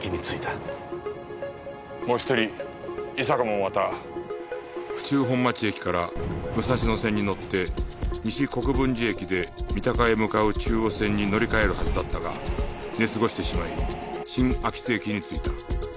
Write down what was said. もう一人伊坂もまた府中本町駅から武蔵野線に乗って西国分寺駅で三鷹へ向かう中央線に乗り換えるはずだったが寝過ごしてしまい新秋津駅に着いた。